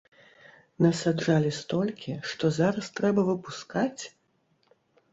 Насаджалі столькі, што зараз трэба выпускаць?